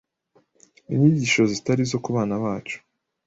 inyigisho zitari zo ku bana bacu,